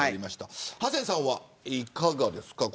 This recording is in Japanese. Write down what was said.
ハセンさんは、いかがですか。